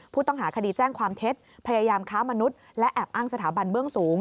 ผู้ต้องหาคดีแจ้งความเท็จพยายามค้ามนุษย์และแอบอ้างสถาบันเบื้องสูง